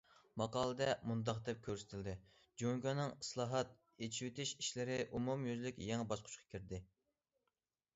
ماقالىدا مۇنداق دەپ كۆرسىتىلدى: جۇڭگونىڭ ئىسلاھات، ئېچىۋېتىش ئىشلىرى ئومۇميۈزلۈك يېڭى باسقۇچقا كىردى.